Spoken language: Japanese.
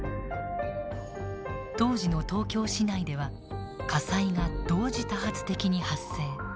当時の東京市内では火災が同時多発的に発生。